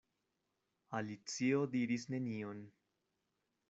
Alicio diris nenion.